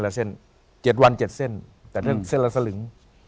๗วัน๗เส้นแต่เท่านั้นเส้นละสลึง